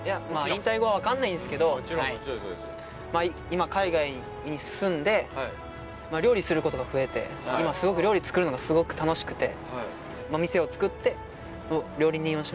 引退後はわかんないんですけど今海外に住んで料理する事が増えて今すごく料理作るのが楽しくて。